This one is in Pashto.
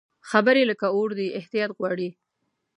خبرې لکه اور دي، احتیاط غواړي